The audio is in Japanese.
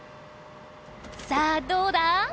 さあどうだ？